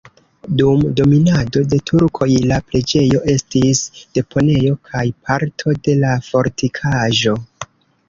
Dum dominado de turkoj la preĝejo estis deponejo kaj parto de la fortikaĵo.